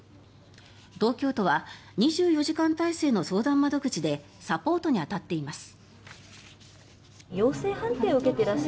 東京都は２４時間体制の相談窓口でサポートに当たっています。